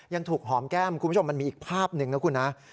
ยังถูกหอมแก้มคุณผู้ชมมันมีอีกภาพหนึ่งนะคุณนะ